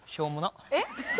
えっ？